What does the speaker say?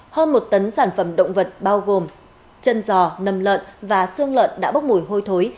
hơn một tấn sản phẩm động vật bao gồm chân giò nầm lợn và xương lợn đã bốc mùi hôi thối